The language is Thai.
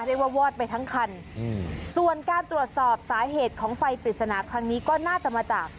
วอดไปทั้งคันอืมส่วนการตรวจสอบสาเหตุของไฟปริศนาครั้งนี้ก็น่าจะมาจาก